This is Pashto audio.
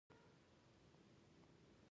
دوښمن د ملت قاتل او مخالف یوازې ورور دی.